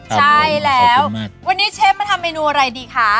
ใช่แล้ววันนี้เชฟมาทำเมนูอะไรดีคะ